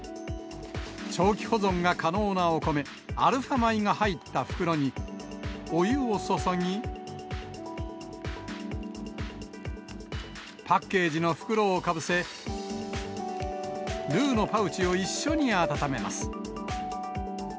長期保存が可能なお米、アルファ米が入った袋に、お湯を注ぎ、パッケージの袋をかぶせ、ルーのパウチを一緒に温めます。